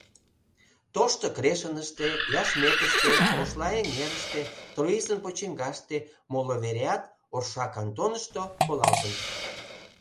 Тошто Крешыныште, Яшметыште, Ошлаҥерыште, Троисын почиҥгаште, моло вереат, Орша кантонышто, колалтын.